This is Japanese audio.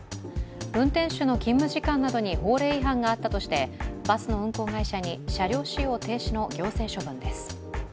運転手の勤務時間などに法令違反があったとしてバスの運行会社に車両使用停止の行政処分です。